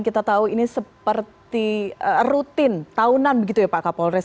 kita tahu ini seperti rutin tahunan begitu ya pak kapolres